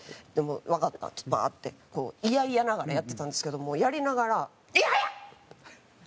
「わかった」っつってバーッて嫌々ながらやってたんですけどもうやりながら「イヤや！